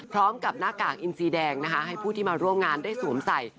หน้ากากอินซีแดงนะคะให้ผู้ที่มาร่วมงานได้สวมใส่